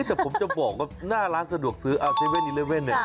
แต่ผมจะบอกว่าหน้าร้านสะดวกซื้อ๗๑๑